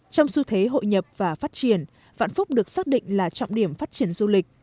trong xu thế hội nhập và phát triển vạn phúc được xác định là trọng điểm phát triển du lịch